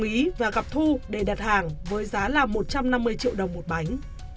chú ý và gặp thu để đặt hàng với giá là một trăm năm mươi triệu đồng một bánh